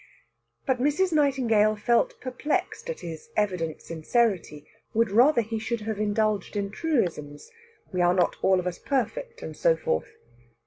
But Mrs. Nightingale felt perplexed at his evident sincerity; would rather he should have indulged in truisms, we were not all of us perfect, and so forth.